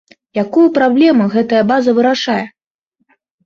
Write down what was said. Якую праблему гэтая база вырашае.